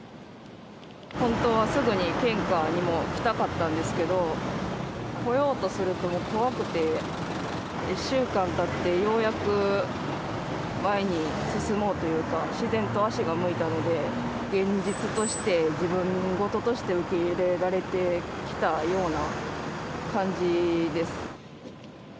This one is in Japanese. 本当はすぐに献花にも来たかったんですけど、来ようとすると怖くて、１週間たって、ようやく前に進もうというか、自然と足が向いたので、現実として、自分事として受け入れられてきたような感じです。